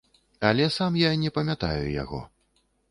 Але сам я не памятаю яго.